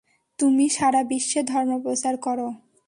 তুমি সারাবিশ্বে ধর্মপ্রচার করো।